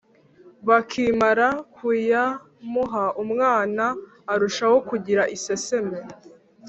bakimara kuyamuha, umwana arushaho kugira iseseme